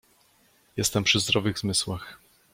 Jestem przy zdrowych zmysłach!